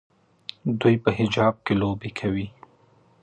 دوی په حجاب کې لوبې کوي.